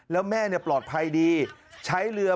แล้วแม่ปลอดภัยดีใช้เรือ